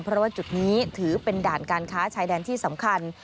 เพราะว่าจุดนี้ถือเป็นด่านการค้าชายแดนที่สำคัญ